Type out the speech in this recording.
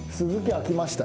空きました。